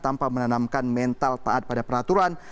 tanpa menanamkan mental taat pada peraturan